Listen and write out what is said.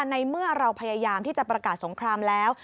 ในเมื่อเราพยายามที่จะประกาศสงครามแล้ว